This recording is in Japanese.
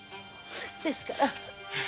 ですから。